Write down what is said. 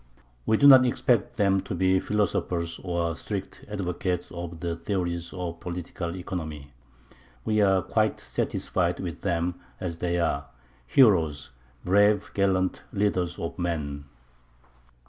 We do not expect them to be philosophers or strict advocates of the theories of political economy. We are quite satisfied with them as they are: heroes, brave, gallant leaders of men.